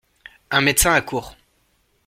Un médecin accourt.